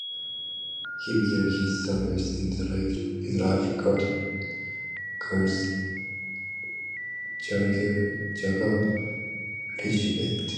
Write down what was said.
He began his service in the Life Guards Jaeger Regiment.